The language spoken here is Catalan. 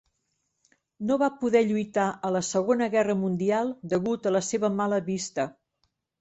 No va poder lluitar a la Segona Guerra Mundial degut a la seva mala vista.